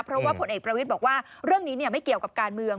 เพราะว่าผลเอกประวิทย์บอกว่าเรื่องนี้ไม่เกี่ยวกับการเมือง